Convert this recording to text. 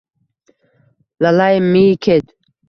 Lallaymiy ket.